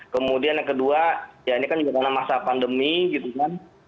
kemudian yang kedua ya ini kan juga karena masa pandemi gitu kan